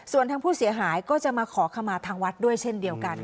ส่วนทางผู้เสียหายก็จะมาขอขมาทางวัดด้วยเช่นเดียวกัน